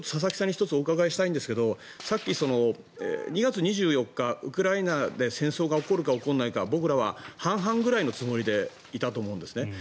僕、佐々木さんにお伺いしたいんですがさっき２月２４日、ウクライナで戦争が起こるか起こらないか僕らは半々ぐらいのつもりでいたと思うんですね。